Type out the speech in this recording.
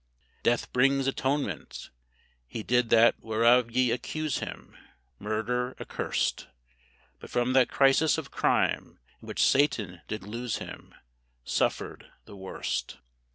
Death brings atonement; he did that whereof ye accuse him, Murder accurst; But from that crisis of crime in which Satan did lose him, Suffered the worst.